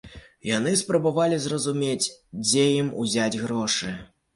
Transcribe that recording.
Яны спрабавалі зразумець, дзе ім узяць грошы.